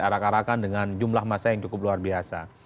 arak arakan dengan jumlah masa yang cukup luar biasa